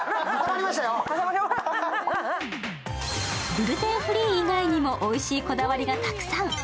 グルテンフリー以外にもおいしいこだわりがたくさん。